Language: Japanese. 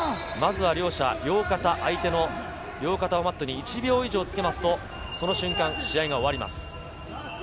相手の両肩をマットに１秒以上つけますとその瞬間、試合が終わります。